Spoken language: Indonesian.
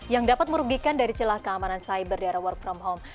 yang dapat merugikan dari celah keamanan cyber dari work from home